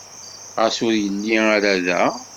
Ɣas ur yelli ara da?